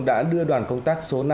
đã đưa đoàn công tác số năm